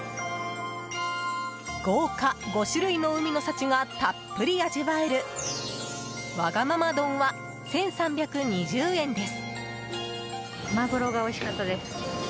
豪華５種類の海の幸がたっぷり味わえるわがまま丼は１３２０円です。